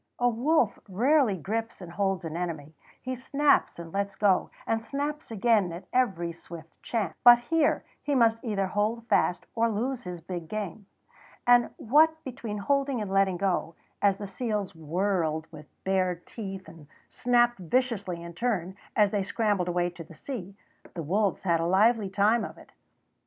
A wolf rarely grips and holds an enemy; he snaps and lets go, and snaps again at every swift chance; but here he must either hold fast or lose his big game; and what between holding and letting go, as the seals whirled with bared teeth and snapped viciously in turn, as they scrambled away to the sea, the wolves had a lively time of it.